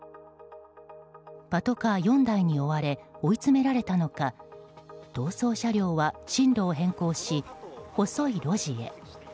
パトカー４台に追われ追いつめられたのか逃走車両は進路を変更し細い路地へ。